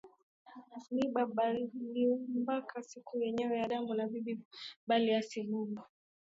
Miba baliumbaka siku yenyewe adamu na bibi yake bali asi Mungu